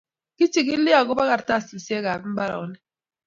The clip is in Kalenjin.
kichikili ako ba kartasishek ab imbaronik